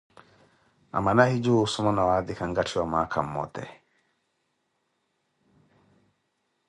Amana ahijuwi osoma na waatikha nkatti wa mwaakha mmote